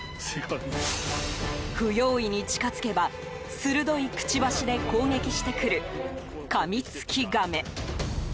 不用意に近づけば鋭いくちばしで攻撃してくるカミツキガメ。